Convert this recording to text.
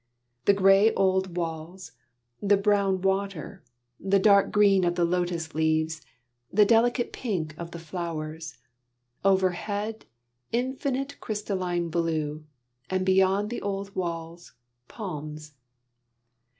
The grey old walls, the brown water, the dark green of the Lotus leaves, the delicate pink of the flowers; overhead, infinite crystalline blue; and beyond the old walls, palms.